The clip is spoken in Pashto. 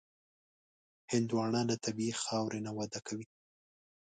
هندوانه له طبیعي خاورې نه وده کوي.